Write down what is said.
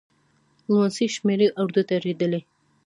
لوڼسې شمېرې اردو ته اړېدلي.